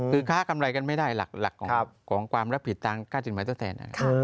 คือค้ากำไรกันไม่ได้หลักของความรับผิดตามการจินไว้เท่าแทน